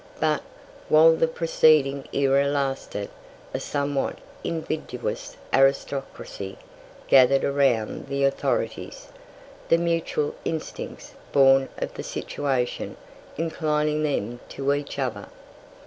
But, while the preceding era lasted, a somewhat invidious "aristocracy" gathered around the authorities, the mutual instincts, born of the situation, inclining them to each other.